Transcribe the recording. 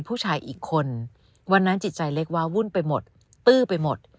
ผู้ชายอีกคนวันนั้นจิตใจเล็กว้าววุ่นไปหมดตื้อไปหมด